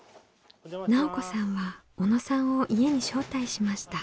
奈緒子さんは小野さんを家に招待しました。